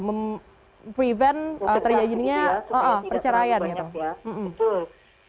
memprevent terjadi perceraian gitu